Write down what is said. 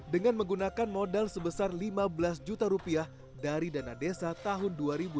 dengan menggunakan modal sebesar lima belas juta rupiah dari dana desa tahun dua ribu dua puluh